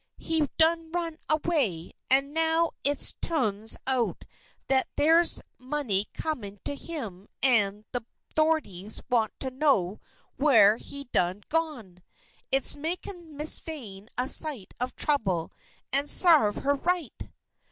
"He done run away, and now it tu'ns out that there's money comin' to him an' the 'thorities want to know whar he done gone. It's makin' Miss Vane a sight of trouble an' sarve her right!"